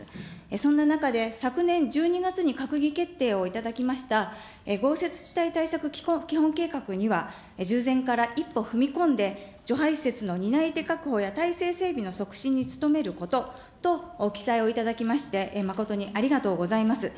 そんな中で、昨年１２月に閣議決定をいただきました豪雪地帯対策基本計画には従前から一歩踏み込んで、除排雪の担い手確保や、体制整備の促進に努めることと記載をいただきまして、誠にありがとうございます。